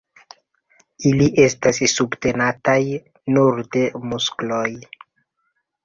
Ili estas subtenataj nur de muskoloj.